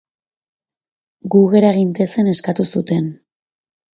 Gu gera gintezen eskatu zuten.